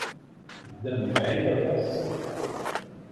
Teddam mebɛid aṭas.